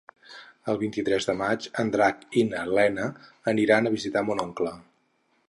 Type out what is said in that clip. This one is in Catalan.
El vint-i-tres de maig en Drac i na Lena aniran a visitar mon oncle.